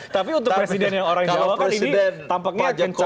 tapi untuk presiden yang orang jawa kan ini tampaknya kencang